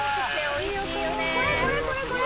これこれこれこれ！